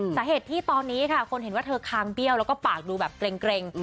สาเหตุที่ตอนนี้ค่ะคนเห็นว่าเธอคางเบี้ยวแล้วก็ปากดูแบบเกร็ง